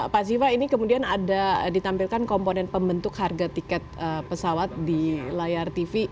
pak ziva ini kemudian ada ditampilkan komponen pembentuk harga tiket pesawat di layar tv